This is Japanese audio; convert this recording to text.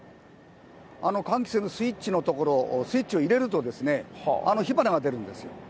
換気扇のスイッチのところ、スイッチを入れると、火花が出るんです。